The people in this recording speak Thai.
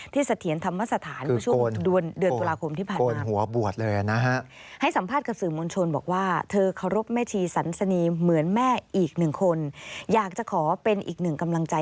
เสถียรธรรมสถานเมื่อช่วงเดือนตุลาคมที่ผ่านมา